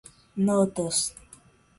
notas